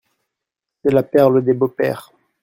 C'est la perle des beaux-pères.